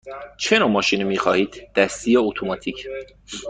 چه نوع ماشینی می خواهید – دستی یا اتوماتیک؟